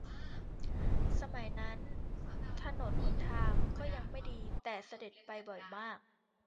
สมัยนั้นถนนหนทางก็ไม่ดีแต่เสด็จไปบ่อยมาก